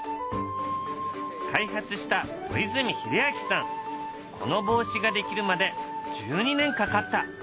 開発したこの帽子が出来るまで１２年かかった。